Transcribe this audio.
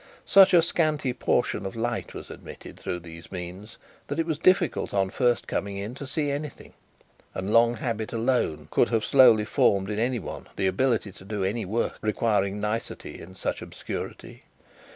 Such a scanty portion of light was admitted through these means, that it was difficult, on first coming in, to see anything; and long habit alone could have slowly formed in any one, the ability to do any work requiring nicety in such obscurity.